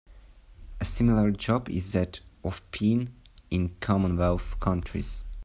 A similar job is that of peon in Commonwealth countries.